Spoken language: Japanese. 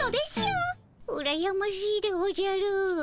うらやましいでおじゃる。